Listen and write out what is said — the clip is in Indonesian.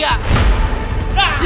ya ampun ya ampun